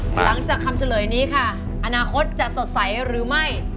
หลังจากคำเฉลยนี้ค่ะอนาคตจะสดใสหรือไม่